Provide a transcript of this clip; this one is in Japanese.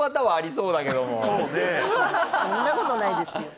そんなことないですよ。